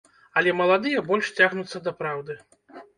Але маладыя больш цягнуцца да праўды.